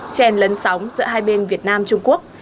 chèn lấn sóng giữa hai bên việt nam trung quốc